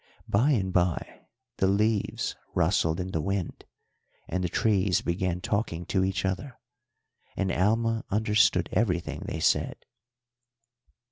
By and by the leaves rustled in the wind and the trees began talking to each other, and Alma understood everything they said.